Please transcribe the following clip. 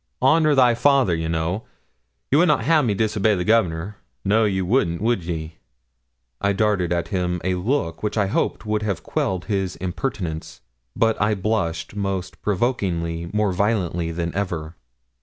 Honour thy father, you know; you would not ha' me disobey the Governor? No, you wouldn't would ye?' I darted at him a look which I hoped would have quelled his impertinence; but I blushed most provokingly more violently than ever.